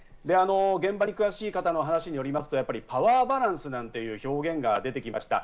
現場に詳しい方のお話によりますとパワーバランスなんていう表現が出てきました。